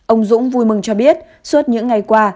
ông dũng vui mừng cho biết suốt những ngày qua